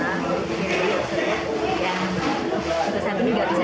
kami langsung mengunjungi kan pengiriman